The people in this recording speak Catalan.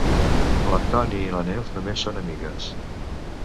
L'Antoni i la Neus només són amigues.